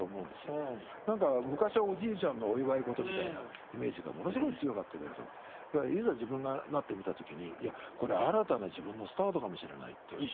昔はおじいちゃんのお祝い事みたいなイメージがものすごい強かったけれどいざ自分がなってみた時にいやこれ新たな自分のスタートかもしれないって。